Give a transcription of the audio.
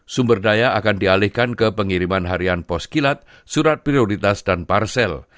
sumber daya akan dialihkan ke pengiriman harian poskilat surat prioritas dan parsel